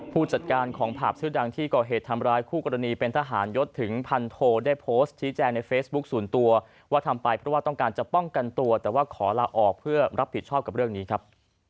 ผู้จัดการของผับชื่อดังที่ก่อเหตุทำร้ายคู่กรณีเป็นทหารยศถึงพันโทได้โพสต์ชี้แจงในเฟซบุ๊คส่วนตัวว่าทำไปเพราะว่าต้องการจะป้องกันตัวแต่ว่าขอลาออกเพื่อรับผิดชอบกับเรื่องนี้ครับ